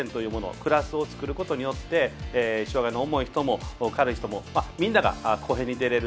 プラスを作ることで障がいの重い人も軽い人もみんなが公平に出られる。